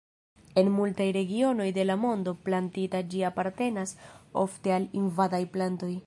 En multaj regionoj de la mondo plantita ĝi apartenas ofte al invadaj plantoj.